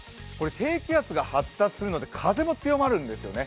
低気圧が発達するので風も強まるんですよね。